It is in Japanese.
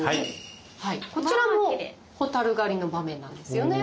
こちらも蛍狩りの場面なんですよね。